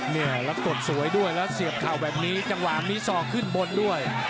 เนี่ยแล้วกดสวยด้วยแล้วเสียบเข่าแบบนี้จังหวะมีศอกขึ้นบนด้วย